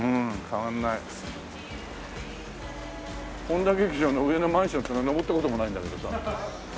本多劇場の上のマンションっていうのは上った事もないんだけどさ。